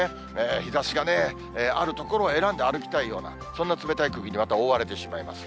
日ざしがある所を選んで歩きたいような、そんな冷たい空気に、また覆われてしまいます。